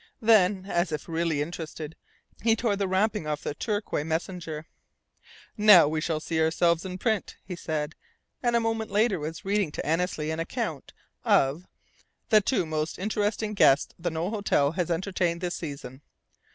Then, as if really interested, he tore the wrapping off the Torquay Messenger. "Now we shall see ourselves in print!" he said, and a moment later was reading to Annesley an account of "the two most interesting guests the Knowle Hotel has entertained this season."